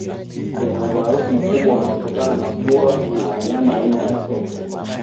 Ina umaarufu mkubwa unaotokana na kuwa na wanyama aina ya Sokwe